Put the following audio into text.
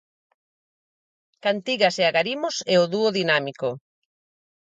Cantigas e Agarimos e o Dúo Dinámico.